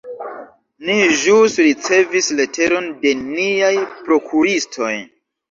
Ni ĵus ricevis leteron de niaj prokuristoj.